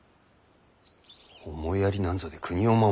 思いやりなんぞで国を守れるものか。